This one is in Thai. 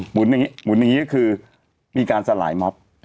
หุ่นอย่างนี้หมุนอย่างนี้ก็คือมีการสลายม็อบ